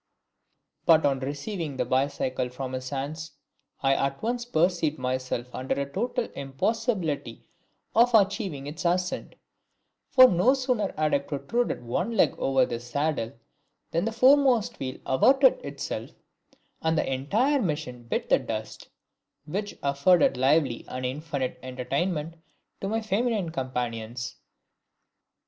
But, on receiving the bicycle from his hands, I at once perceived myself under a total impossibility of achieving its ascent for no sooner had I protruded one leg over the saddle than the foremost wheel averted itself, and the entire machine bit the dust, which afforded lively and infinite entertainment to my feminine companions.